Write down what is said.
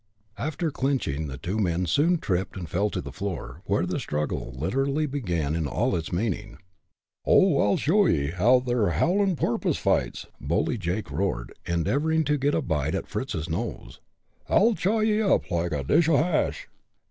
After clinching the two men soon tripped and fell to the floor, where the struggle literally began in all its meaning. "Oh! I'll show ye how ther howlin' porpoise fights!" Bully Jake roared, endeavoring to get a bite at Fritz's nose. "I'll chaw ye all up like a dish o' hash!"